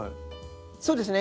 そうですね。